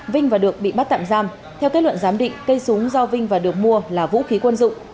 vinh và được bị bắt tạm giam theo kết luận giám định cây súng do vinh và được mua là vũ khí quân dụng